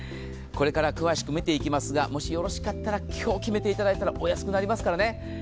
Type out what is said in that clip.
これから詳しく見ていきますが、もしよろしかったら今日、決めていただいたらお安くなりますからね。